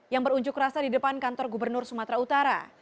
yang berunjuk rasa di depan kantor gubernur sumatera utara